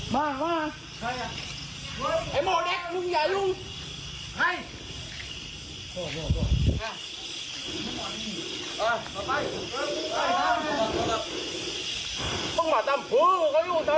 สวัสดีครับทุกคน